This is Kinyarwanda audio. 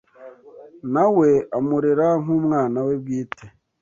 na we amurera nk’umwana we bwite.